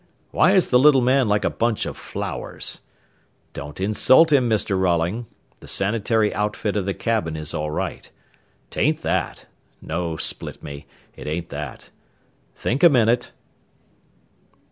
Why is the little man like a bunch of flowers? Don't insult him, Mr. Rolling. The sanitary outfit of the cabin is all right. 'Tain't that. No, split me, it ain't that. Think a minute."